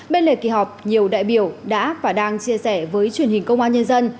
bên lề kỳ họp nhiều đại biểu đã và đang chia sẻ với truyền hình công an nhân dân